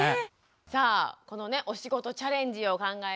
さあこのお仕事チャレンジを考えてくれました